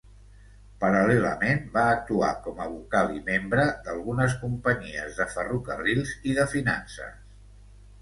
Paral·lelament va actuar com a vocal i membre d'algunes companyies de ferrocarrils i de finances.